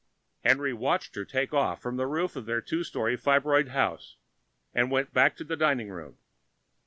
Henry watched her takeoff from the roof of their two story fibroid house and went back to the dining room.